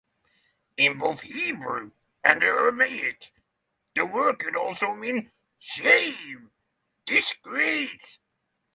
In both Hebrew and Aramaic the word could also mean "shame, disgrace".